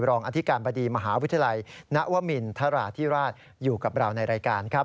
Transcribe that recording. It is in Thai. อธิการบดีมหาวิทยาลัยนวมินทราธิราชอยู่กับเราในรายการครับ